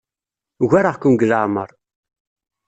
Ugareɣ-ken deg leɛmeṛ.